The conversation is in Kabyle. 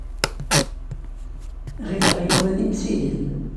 Ɣileɣ Yuba d imsihel.